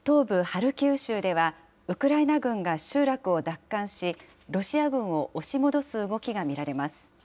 ハルキウ州では、ウクライナ軍が集落を奪還し、ロシア軍を押し戻す動きが見られます。